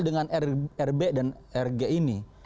dengan rb dan rg ini